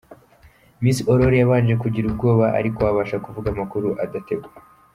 Miss Aurore yabanje kugira ubwoba ariko abasha kuvuga amakur adategwa.